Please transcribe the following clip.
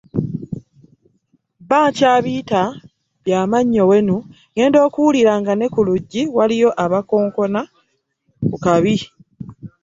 Mba nkyabiyita byamannyowenu, ŋŋenda okuwulira nga ne ku luggi waliyo abakonkona ku kabi.